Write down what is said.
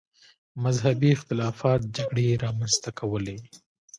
مذهبي اختلافات جګړې رامنځته کولې.